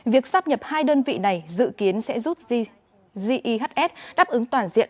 việc sắp nhập hai đơn vị này dự kiến sẽ giúp gehs đáp ứng toàn diện